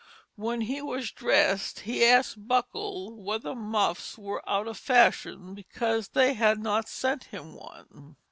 When he was drest he asked Buckle whether muffs were out of fashion because they had not sent him one."